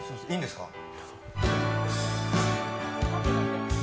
いいんですか？